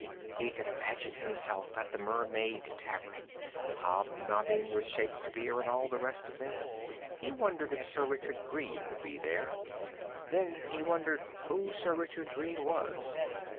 He could imagine himself at the Mermaid Tavern, hob nobbing with Shakespeare and all the rest of them. He wondered if Sir Richard Greene would be there. Then he wondered who Sir Richard Greene was.